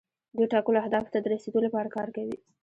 دوی ټاکلو اهدافو ته د رسیدو لپاره کار کوي.